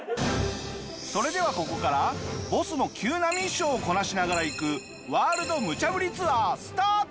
それではここからボスの急なミッションをこなしながら行くワールド無茶ぶりツアースタート！